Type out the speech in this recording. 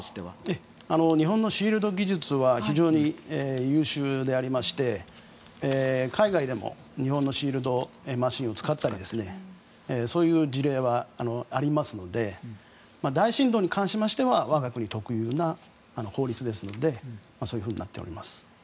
日本のシールド技術は優秀でありまして海外でも日本のシールドマシンを使ったりそういう事例はありますので大深度に関しては我が国特有のものですのでそういうふうになっています。